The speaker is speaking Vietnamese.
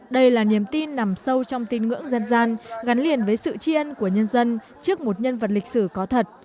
đây là niềm tin nằm sâu trong tin ngưỡng dân gian gắn liền với sự tri ân của nhân dân trước một nhân vật lịch sử có thật